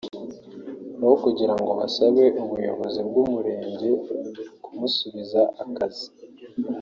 aho kugirango basabe ubuyobozi bw’umurenge kumusubiza mu kazi